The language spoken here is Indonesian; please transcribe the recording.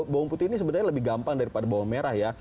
bawang putih ini sebenarnya lebih gampang daripada bawang merah ya